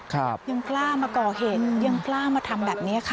ยังกล้ามาก่อเหตุยังกล้ามาทำแบบนี้ค่ะ